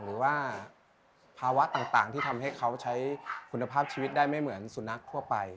หรือว่าภาวะต่างที่ทำให้เขาใช้คุณภาพชีวิตได้ไม่เหมือนสุนัขทั่วไป